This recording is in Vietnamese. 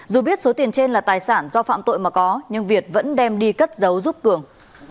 dù biết số tiền trên là tài sản do phạm tội mà có nhưng việt vẫn đem đi cất giấu giúp cường